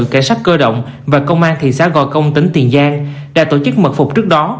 cảnh sát cơ động và công an thị xã gò công tỉnh tiền giang đã tổ chức mật phục trước đó